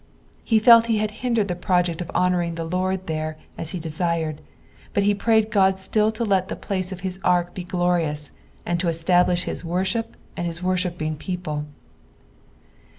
He felt he had hindered the project of honouring the Lord there as he desired, but he prayed Ood still to let the place of his ark be elorioos, and to establish his worship and his worshipping people.